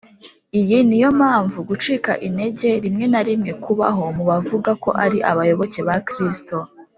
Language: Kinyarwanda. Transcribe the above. . Iyi niyo mpamvu gucika intege rimwe na rimwe kubaho mu bavuga ko ari abayoboke ba Kristo